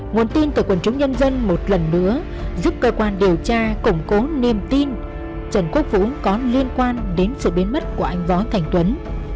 nguồn tin từ quần chúng nhân dân một lần nữa giúp cơ quan điều tra củng cố niềm tin trần quốc vũ có liên quan đến sự biến mất của anh võ thành tuấn